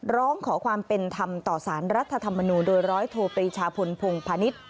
ร้องขอความเป็นธรรมต่อสารรัฐธรรมนูลโดยร้อยโทปรีชาพลพงพาณิชย์